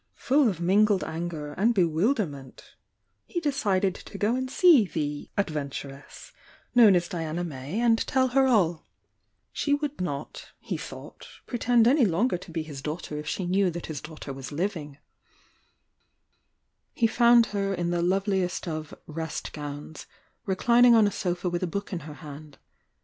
' Full of mingled anger and bewilderment he decid ed to go and see the "adventuress" known as Diana May and tell her all. She would not, he thought pretend any longer to be his daughter if she knew ^3 ■if ,;!: m 854 THE YOUNG DIANA that his daughter was living, he found her in Uie loveliest of "rest gowns," rechnmg «^n %"»'» 7''*" » book in her hand.